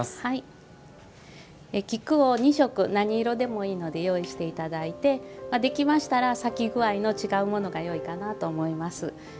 菊を２色、何色でもいいので用意していただいてできましたら、咲き具合の違うものがいいかなと思います。